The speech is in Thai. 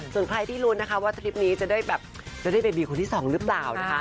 ส่วนใครที่ลุ้นนะคะว่าทริปนี้จะได้แบบจะได้เบบีคนที่๒หรือเปล่านะคะ